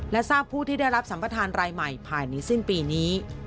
และทราบผู้ที่ได้รับสัมประธานรายใหม่ภายในสิ้นปีนี้